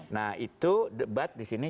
nah itu debat disini